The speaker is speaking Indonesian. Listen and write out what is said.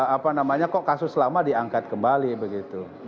apa namanya kok kasus lama diangkat kembali begitu